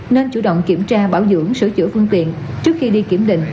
nên chủ động kiểm tra bảo dưỡng sửa chữa phương tiện trước khi đi kiểm định